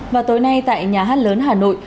và tối nay tại nhà hát lớn hà nội